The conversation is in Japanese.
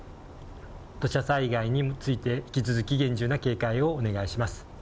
土砂災害について引き続き厳重な警戒をお願いします。